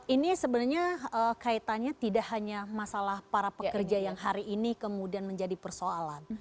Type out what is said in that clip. ini sebenarnya kaitannya tidak hanya masalah para pekerja yang hari ini kemudian menjadi persoalan